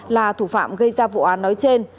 là thủ phạm gây ra vụ án nói trên